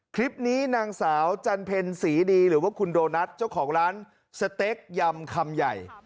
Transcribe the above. คลิปนี้นางสาวจันเพ็ญศรีดีหรือว่าคุณโดนัทเจ้าของร้านสเต็กยำคำใหญ่